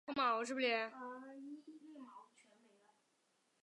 施内贝格山麓普赫贝格是奥地利下奥地利州诺因基兴县的一个市镇。